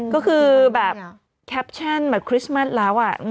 ก็คือแบบแคปชั่นแบบคริสต์มัสแล้ว